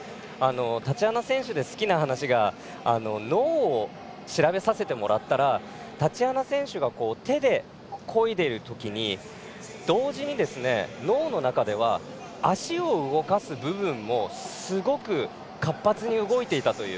タチアナ選手で好きな話が脳を調べさせてもらったらタチアナ選手が手でこいでいるとき同時に脳の中では足を動かす部分もすごく活発に動いていたという。